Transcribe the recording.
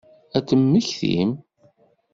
Ad temmektim?